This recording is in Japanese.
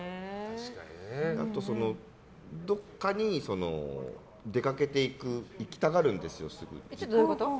あと、どっかに出かけて行きたがるんですよ、すぐ。